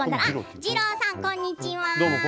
二朗さん、こんにちは。